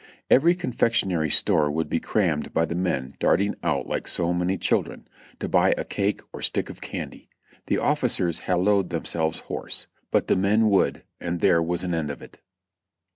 Every confectionery store would be crammed by the men darting out like so many children, to buy a cake or stick of candy. The officers halloed themselves hoarse, but the men would, and there was an end of it.